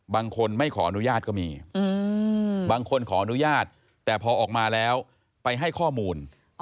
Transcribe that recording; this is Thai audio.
บางคนไม่ขออนุญาตก็มีบางคนขออนุญาตแต่พอออกมาแล้วไปให้ข้อมูล